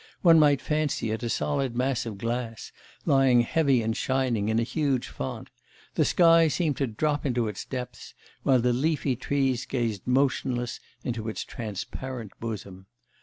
One might fancy it a solid mass of glass lying heavy and shining in a huge font; the sky seemed to drop into its depths, while the leafy trees gazed motionless into its transparent bosom.